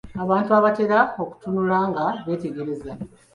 Abantu batera okutunula nga beetegereza.